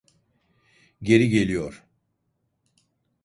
Geri geliyor!